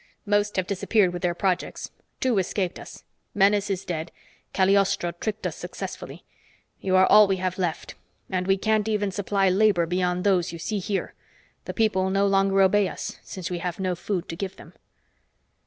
"Most have disappeared with their projects. Two escaped us. Menes is dead. Cagliostro tricked us successfully. You are all we have left. And we can't even supply labor beyond those you see here. The people no longer obey us, since we have no food to give them."